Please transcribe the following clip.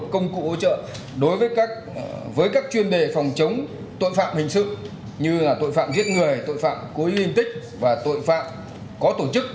công cụ hỗ trợ đối với các chuyên đề phòng chống tội phạm hình sự như tội phạm giết người tội phạm cố ý liên tích và tội phạm có tổ chức